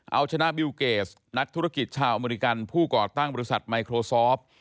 เอาชนะบิลเกสนักธุรกิจชาวอเมริกันผู้ก่อตั้งบริษัทไมโครซอฟ